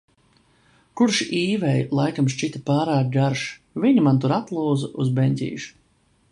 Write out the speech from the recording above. Kurš Īvei laikam šķita pārāk garš, viņa man tur atlūza uz beņķīša.